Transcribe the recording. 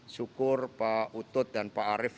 syukur pak utut dan pak arief